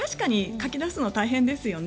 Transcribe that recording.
書き出すのは確かに大変ですよね。